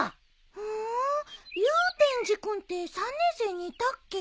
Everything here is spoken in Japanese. ふん祐天寺君って３年生にいたっけ？